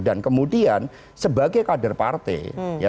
dan kemudian sebagai kader partai